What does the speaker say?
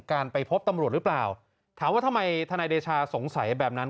การไปพบตำรวจหรือเปล่าถามว่าทำไมทนายเดชาสงสัยแบบนั้น